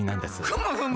ふむふむ。